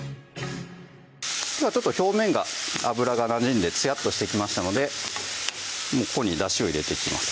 ちょっと表面が油がなじんでつやっとしてきましたのでもうここにだしを入れていきます